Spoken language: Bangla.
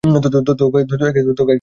তোকে একটা ভালো অপরাধের গল্প বলি?